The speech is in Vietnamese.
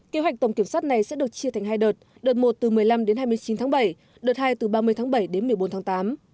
kế hoạch tổng kiểm soát này sẽ được chia thành hai đợt đợt một từ một mươi năm đến hai mươi chín tháng bảy đợt hai từ ba mươi tháng bảy đến một mươi bốn tháng tám